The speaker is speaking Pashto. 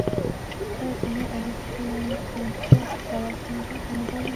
آیا کیمیا علیزاده په تکواندو کې مډال ونه ګټه؟